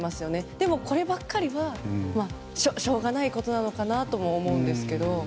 でも、こればかりはしょうがないことなのかなとも思うんですけど。